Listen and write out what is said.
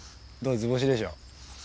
図星でしょ。